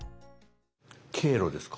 「経路」ですか？